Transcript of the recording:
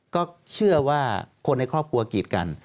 ก็เชื่อว่าคนในครอบครัวกีดกัน